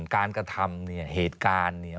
กระทำเนี่ยเหตุการณ์เนี่ย